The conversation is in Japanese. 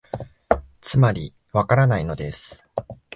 つまり、わからないのです